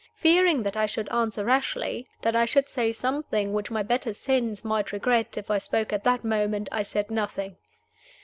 Fearing that I should answer rashly, that I should say something which my better sense might regret, if I spoke at that moment, I said nothing.